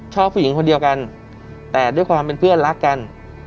ชอบผู้หญิงคนเดียวกันแต่ด้วยความเป็นเพื่อนรักกัน